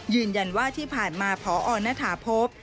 ยืนยันว่าที่ผ่านมาพอณฐาพบ